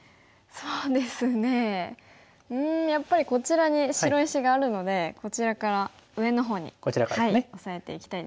そうですねうんやっぱりこちらに白石があるのでこちらから上のほうにオサえていきたいですか。